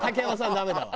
ダメだわ。